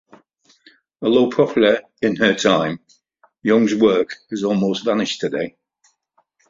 Although popular in her time, Young's work has almost vanished today.